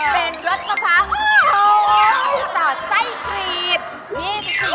เป็นรสมะพร้าวสอดไส้ครีม